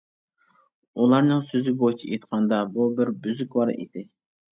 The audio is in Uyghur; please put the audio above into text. ئۇلارنىڭ سۆزى بويىچە ئېيتقاندا، ئۇ بىر «بۈزرۈكۋار» ئىدى.